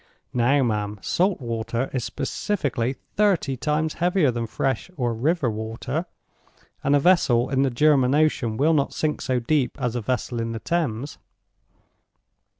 Now, ma'am, salt water is specifically thirty times heavier than fresh or river water, and a vessel in the German Ocean will not sink so deep as a vessel in the Thames.